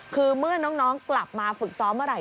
คือเมื่อน้องกลับมาฝึกซ้อมเมื่อไหร